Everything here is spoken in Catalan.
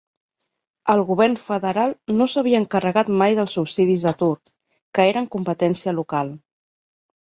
El govern federal no s'havia encarregat mai dels subsidis d'atur, que eren competència local.